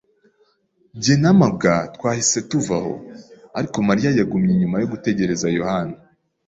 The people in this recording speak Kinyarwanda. Jye na mabwa twahise tuvaho, ariko Mariya yagumye inyuma yo gutegereza Yohana.